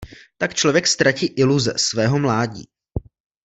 Tak člověk ztrácí iluze svého mládí.